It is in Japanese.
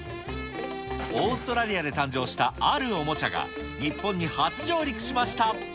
オーストラリアで誕生したあるおもちゃが、日本に初上陸しました。